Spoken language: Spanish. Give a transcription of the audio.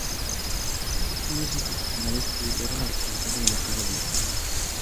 Estos cambios institucionales ayudaron a la expansión del mercado libre.